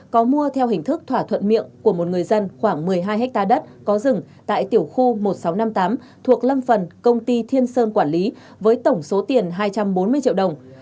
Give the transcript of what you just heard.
có mua theo hình thức thỏa thuận miệng của một người dân khoảng một mươi hai hectare đất có rừng tại tiểu khu một nghìn sáu trăm năm mươi tám thuộc lâm phần công ty thiên sơn quản lý với tổng số tiền hai trăm bốn mươi triệu đồng